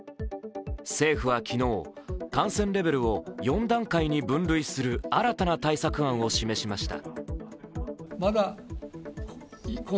政府は昨日、感染レベルを４段階に分類する新たな対策案を示しました。